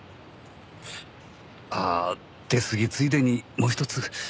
ああ出すぎついでにもうひとつ。